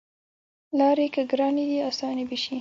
لاری که ګرانې دي اسانې به شي